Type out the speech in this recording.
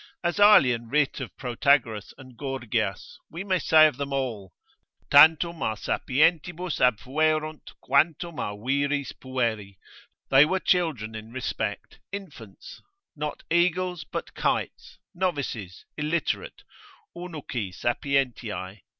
As Aelian writ of Protagoras and Gorgias, we may say of them all, tantum a sapientibus abfuerunt, quantum a viris pueri, they were children in respect, infants, not eagles, but kites; novices, illiterate, Eunuchi sapientiae.